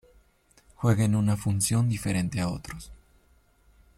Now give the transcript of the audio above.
Juega en una función diferente a otros.